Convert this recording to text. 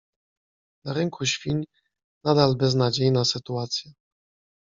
Na rynku świń nadal beznadziejna sytuacja.